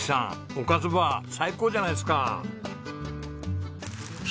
おかずＢＡＲ最高じゃないですか。